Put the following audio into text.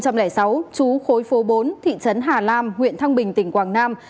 trú khối phố bốn thị trấn hà lam huyện thăng bình tỉnh quảng nam